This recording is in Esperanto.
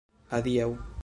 Adiaŭ.